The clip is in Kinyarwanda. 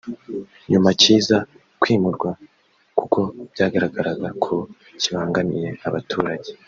nyuma kiza kwimurwa kuko byagaragaraga ko kibangamiye abaturage